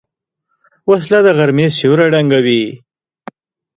وسله د غرمې سیوری ړنګوي